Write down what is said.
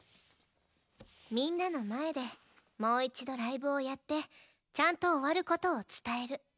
みんなの前でもう一度ライブをやってちゃんと終わる事を伝える。